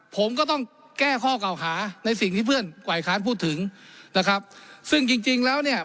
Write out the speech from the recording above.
ผมก็ต้องแก้ข้อเก่าหาในสิ่งที่เพื่อนฝ่ายค้านพูดถึงนะครับซึ่งจริงจริงแล้วเนี่ย